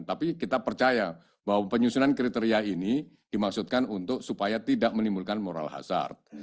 tapi kita percaya bahwa penyusunan kriteria ini dimaksudkan untuk supaya tidak menimbulkan moral hazard